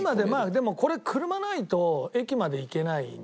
でもこれ車ないと駅まで行けないんで。